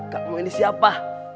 kak ini siapa